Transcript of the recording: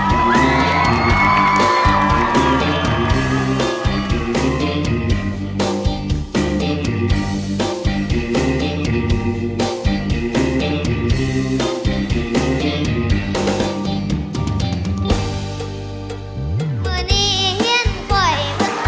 หมื่นนี้เฮียนค่อยเริ่มไฟมันได้หินไข่